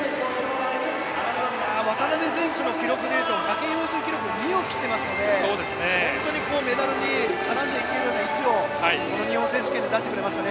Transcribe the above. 渡辺選手の記録でいと派遣標準記録を切ってますので本当にメダルに絡んでいけるような位置を日本選手権で出してくれました。